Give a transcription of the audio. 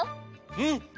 うん！